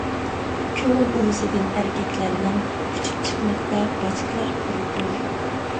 كۆڭۈل ئۇۋىسىدىن ئەركەكلەرنىڭ، ئۇچۇپ چىقماقتا باچكىلار پۇر-پۇر.